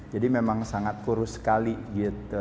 jadi memang sangat kurus sekali gitu